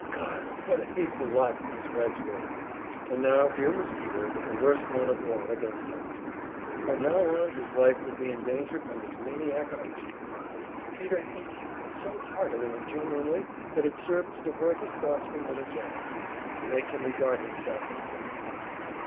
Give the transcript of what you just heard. God, what a hateful lot these Reds were! And now here was Peter with the worst one of all against him! From now on his life would be in danger from this maniac Irishman! Peter hated him so heartily and genuinely that it served to divert his thoughts from little Jennie, and to make him regard himself as a victim.